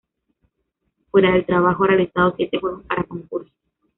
Fuera del trabajo, ha realizado siete juegos para concursos.